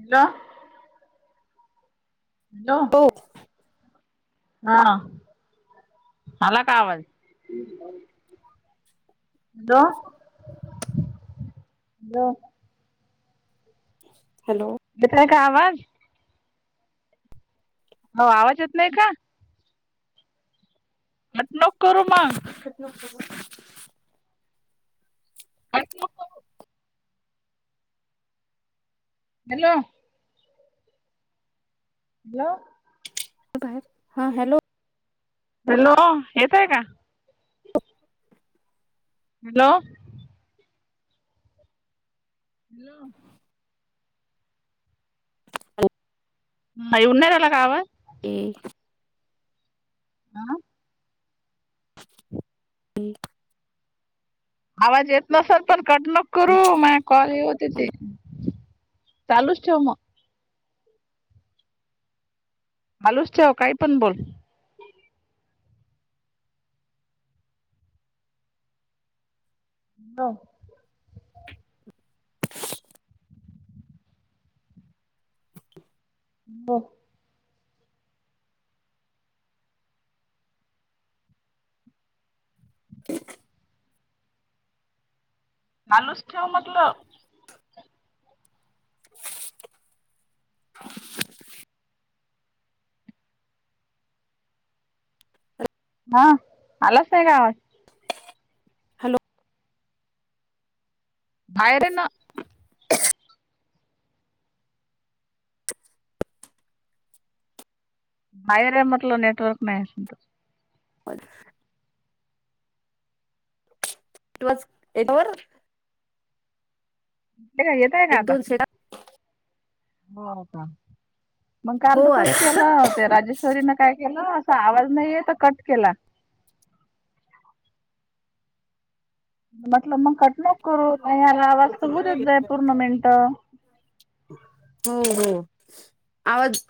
Hello, hello. लो. हां आला का आवाज? ह [inaudible] लो हॅलो. हॅलो. येतय का आवाज? हो आवाज येत नाही का? आत नक करू मंग. न [unintelligible] कट नको करू हॅलो. हॅलो. बाहेर हा हॅलो. हॅलो येतय का? हॅलो. हॅलो. हा येऊन नाही राहाला का आवाज? डेख. हां. दे. आवाज येत नसल तर कट नकॊ [unintelligible] माया कॉल हे होते ते चालूच ठेव म. मालुस ठेव काय पण बोल. हो. हो. तेख. मालुच ठेव मतलं. व्हा [inaudible] हा आलास नाही का आवाज? हॅलो. भाहेर येना. हा [inaudible] बाहेर या म्हटलं नेटवर्क नाही. हो [unintelligible] [unintelligible] ते काय घेत एक दोन [unintelligible] हो का मग काल हो आला तसच केलं हो ते राजेश चरीने काय केलं अस आवाज नाही येत तर कट केला. म्हटलं मग कट नको करू नाही आला आवाज होऊ देत जाय पूर्ण मिनिटं. हो हो आवाज.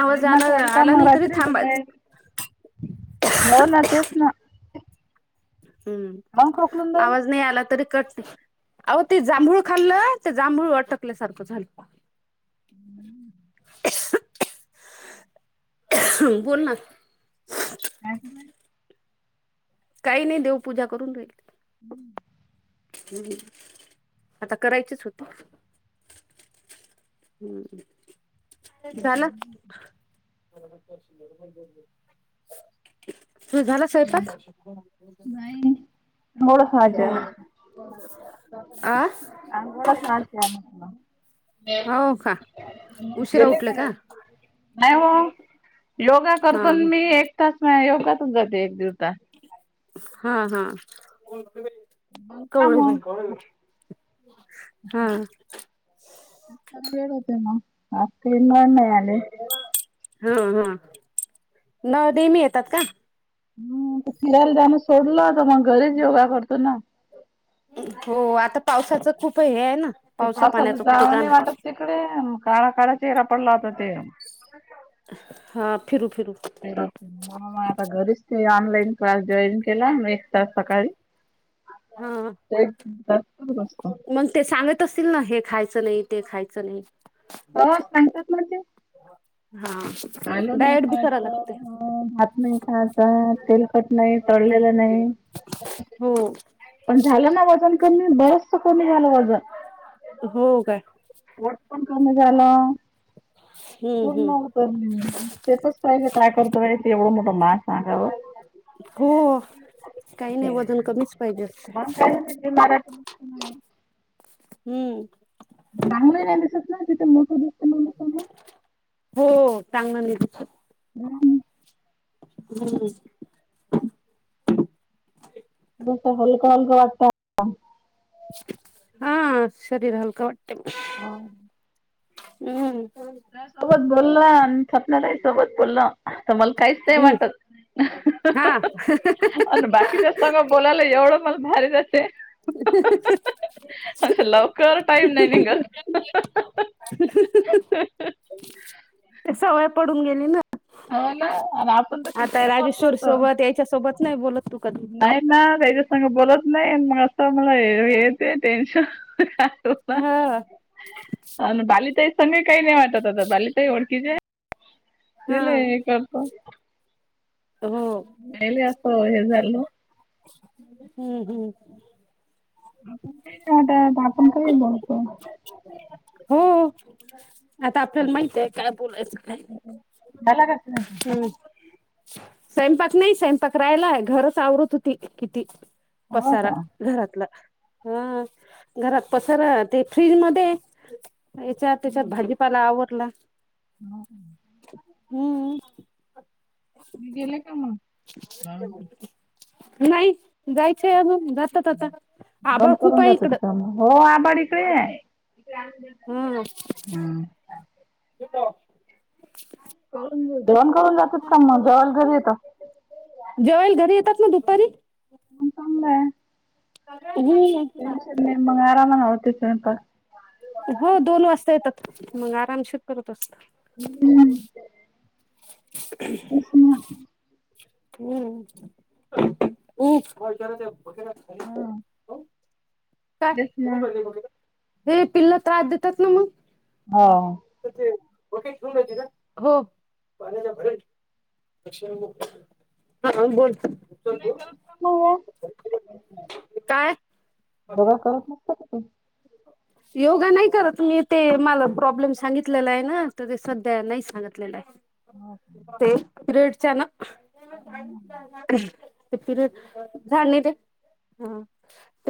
आवाज आला महिमाचा आलता आला नाही तरी मगाशी रात्री थांबाच म हो ना तेच ना. हम्म मग खोकलून जाईल आवाज नाही आला तरी कट. आवो ते जांभूळ खाल्लं ते जांभूळ अटकल्या सारखं झालय. [inaudible] बोल ना. ह [unintelligible] काही नाही देव पूजा करून राहीले. हम्म. हम्म आता करायचीच होती हम्म झालं तू झाला स्वयंपाक? नाही [unintelligible] हम्म आ अंघोळच होयची आहे म्हटलं. हो का. उशिरा उठले का का नाही हो योगा हा करतो ना मी तास योगातून जाते एक दिवता. हा हां मग का मग हां वड होते नाही आले हा हा न डेली येतात का. हम फिरायला जाणं सोडलं तर मग घरीच योगा करतो ना. हो आता पावसाच खूप हे आहे ना. ते पावसा पावसाचं पाण्याचं कुठं जाव नाही जाणार वाटत तिकडे काळा काळा चेहरा पडला होता ते. हा फिरू फिरू म आता घरीच ते ऑनलाईन क्लास जॉईन केला म एक तास सकाळी. हा सत [unintelligible] मग ते सांगत असतील ना हे खायचं नाही ते खायचं नाही. हो सांगतात ना ते. हा डायट बी करायला लागते. ह भात नाही खात तेलकट नाही तळलेलं नाही. हो पण झालं ना वजन कमी बरचस कमी झालं वजन. हो काय पोट पण कमी झालं. हम्म पूर्ण हम्म होत तेच पाहिेल काय करतो एवढं मोठं मा सांगावर. हो काही नाही वजन कमीच पाहिजे. मराठी. हम्म. हम्म चांगलं नाही दिसत ना तिथे मोठं दिसत म्हणून. हो, चांगलं [unintelligible] [unintelligible] हम. [unintelligible] हां. शरीर हलक वाटतंय. हम्म. सोबत बोल आणि सपनाताई सोबत बोल. आता मला काहीच नाही हम्म वाटत, हा आणि बाकीच्या सगळं. बोलायला एवढं मला भारी जाते. अशे लवकर टाईम नाही निघत. ते सवय पडून गेली ना. हो ना आणि आपण तर आता कितीही बोललो राजेश्वर तर सोबत याच्या, सोबत नाही बोलत तू कधी. नाही ना त्याच्या संग बोलत नाही, मग असं मला येतंय टेन्शन. रूपा हा आणि बालिताई संग काय नाही वाटत, आता बालिताई ओळखीची आहे. हा तिले हे करतो. हो, पहिले असं हे झालं हम्म हम्. आता आपण काही बोलतो. हो, आता आपल्याला माहित आहे. काय बोलायचं काय? झाला [unintelligible] हम्म स्वयंपाक नाही स्वयंपाक राहिलाय, घरच आवरत होती किती हो पसारा. का घरातलं हा, घरात पसारा ते फ्रीज मध्ये, हेच्यात तेच्यात भाजीपाला आवरला. [unintelligible] हम्म. मी गेले का मगं, नाही जायचंय अजून, जातात आबाळ जेवण खूप करून आहे जातात इकडं. का मग हो, आबाड इकडे ही आहे. हम्म. हम्म. [unintelligible] जेवण करून जातात का, मग जेवाल घरी येतं. जेवायला घरी येतात ना दुपारी. म.. चांगलाय. हम. मग आराम [unintelligible] स्वयंपाक. हो, दोन वाजता येतात मग, आरामशीर करत असतो. हम. तेच ना. [inaudible] हम्म.. [unintelligible] काय तेच ना [unintelligible] हे पिल्लं त्रास देतात ना, मग हो. [unintelligible] हो. बोल. तू नाही काय करत [unintelligible] [inaudible] योगा नाही करत त मी ते, मला प्रॉब्लेम सांगितलेला आहे ना तर ते सध्या नाही सांगितले. ते पिरेडच्या ना. ते पिरिड झाले ते,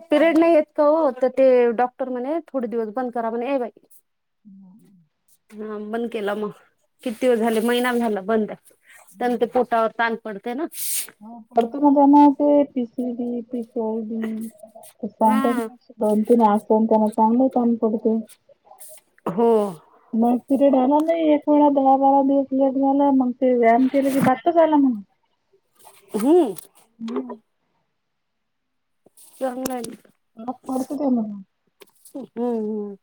पिरियड नाही येत का ओ, ते डॉक्ट क्टर तर म्हणे, थोडे दिवस बंद करा ये बाई. हम् ह बंद केला मग किती वेळ झाले महिना झाला बंद त्या ते पोटावर त पडते ना. हो पडतन जमा होते पिस पि सांगतात हा दोन तीन असत त्यांना सांगताना पुढते. हम. मग पिरियड आला नाही एक वेळा दहा बारा दिवस लेट झाला मग ते व्यायाम केले की बाततच झाला म्हण. हम्म. हम्म. चंगल म पडत ते म्हणून हम्म हम्म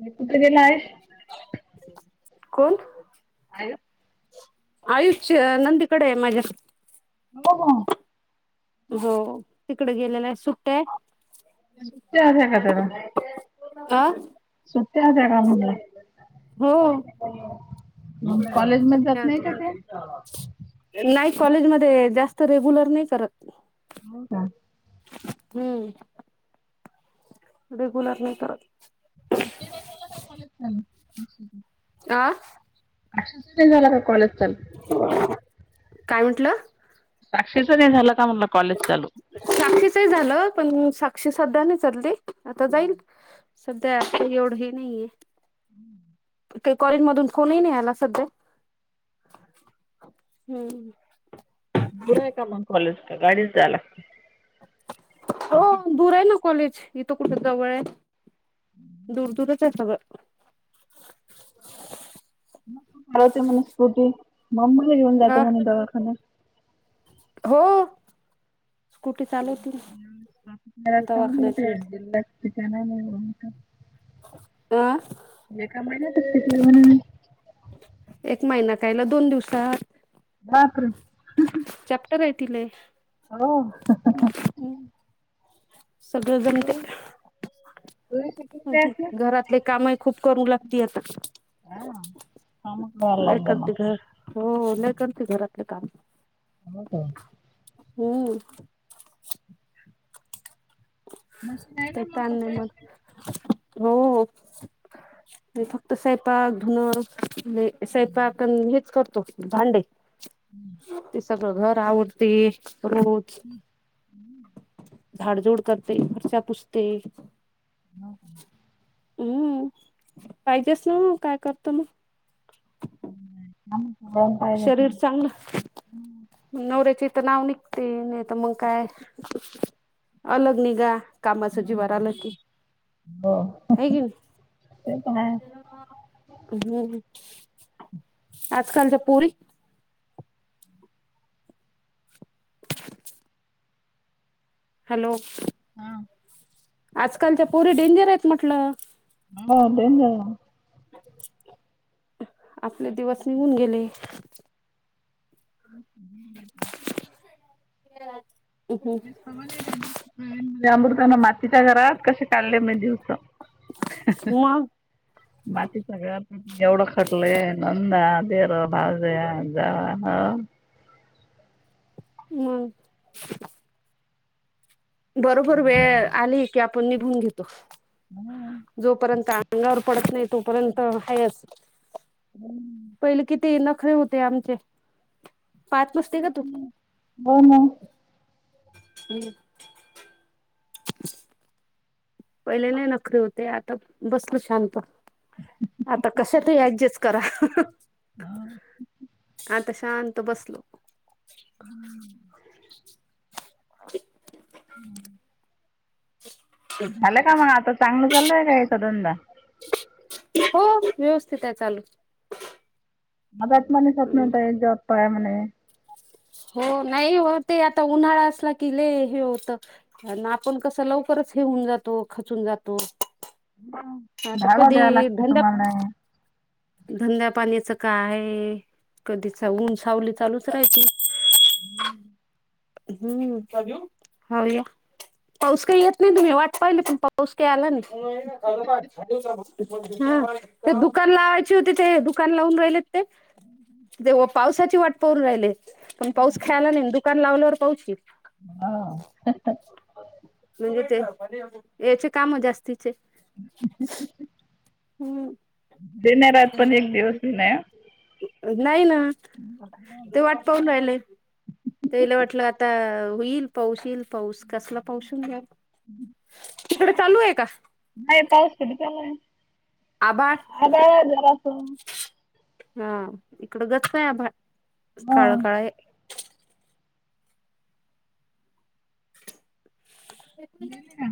ह कुठं गेलं आहे. कोण आ आयुष्य नंदीकडे माझ्या हो हो हो तिकड गेलेला सुट्ट्या का तला अ सत्या त्या का म्हून हो कॉलेज मध्ये सुट्ट्या जात नाही होत्या का ते? नाही कॉलेजमध्येध्ये जास्त रेग्युलर नाही करत. हो का हम्म रेग्युलर नाही तरर ते तर कॉलेज चाल आ अ झाला कॉलेज चालू. काय म्हटलं. साक्षस नाही झालं का म्हटला कॉलेज चालू. साक्षीचही झालं पण साक्षी सध्या नाही चालली आता जाईल. सध्यां एवढंही नाहीये. हम्म त्या कॉलेज मधून फोननाही आला सध्या हम्. दूर आहे का मग कॉलेज का गाडीच जा लागते. हो दूर आहे ना कॉलेज इथं कुठे जवळ आहे. दूर दूरच अस ब. मवते म्हण स्कुटीमम्मीही घेऊन अ जातो म्हणे दवाखान्या हो स्कूटी चालवती ना का म दवाखान्यात येते. दिना नाही का? अं म्हे का माहि नाहीत तथ म्हणून एक महिना कायला दोन दिवसात दाख र चॅप्टर हाय ती लय. हो अ सगळं ज. म ते तुम्ही शिकलेले असणार? घरातले कामही खूप करू लागती आता. हा. कामच करायला लय लागतं ना. करते का. हो लय करते घरातले काम. हो का. हम्म. मशीन आहे ना काय मग ता नाय मन. कपड्याची. हो हो ते फक्त सायपाक धुन. लई स्वैपा आण हेच करतो भांडे. हम्म. ते सगळं घर आवडते रोज झाडजूड. करते फरशापुसते. हम्म पाहिजेच ना काय करतो मग. हम्म मग पाहिलं. शरीर चांगलं नवऱ्याचे इथं नाव निघ ते नाही तर मग काय अलग निघा कामाच जीवार आल. हो. हाय ते तर का आहे. नाय. ह आजकालच्या पुरी. हॅलो. हा. आजकाल त्या पोरे डेंजर आहेत म्हटलं. मग डेंजर ना. आपले दिवस निघून गेले. हम हम. हम हम. अमृताना मातीच्या घरात कसे काढले मय दिवसा. मग मातीच्या घरात. एवढं खटलंय नंदा देर भाज्या जावा ह. हम. बरोबर वेळ आली की आपण निभून घेतो. हम. जोपर्यंत अंगावर पडत नाही तोपर्यंत हायस्. हम. पहिले कि तेन नखरे होते आमचे. पाच पुसते का तू. हो ना. [inaudible] पहिले लय नकरे होते आता बसल शांत. आता कश तरी ऍडजस्ट करा. आता शांत बसलो. हम्म. हम. झालं का मग आता चांगलं चालय का एचा धंदा. हो व्यवस्थित आहे चालू. मधात म्हणे सपना हम्म. ताई जॉब पाय म्हणे. हो नाही व हो ते आता उन्हाळा असला की लेय हे होत. आपण कसं लवकरच हेऊन जातो खचून जातो. आता धाग द्याव कधी लागते तुम्हाला. धंद्या पाण्याचं काय आहे कधीच ऊन सावली चालूच राहाते. हम्म. हम्म हा ये. पाऊस काही येत नाही तुम्ही वाट पाहिली पण पाऊस काही आला नाय. हा ते दुकान लावायची होती ते दुकान लावून राहिलेत. पावसाची वाट प राहिले पण पाऊस काहीनाही दुकान लावल्यावर कौची हा म्हणजे ते याचे काम जास्तीचे हम्म देण्याऱत पण एक दिवस ये नाही नाही ना ह ब पाून राहिले तेला वाटलं आता होईल पाऊस येईल पाऊस कसला पाऊसून घ्या तकडे चालू आहे का नाही पाऊस कधी पडलाय नाही आभाड जरासं हा इकडं गच नाहीय आभड हा काळ काळे गेले का